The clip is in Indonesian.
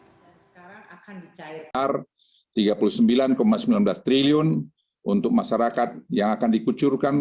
sekarang akan dicair rp tiga puluh sembilan sembilan belas triliun untuk masyarakat yang akan dikucurkan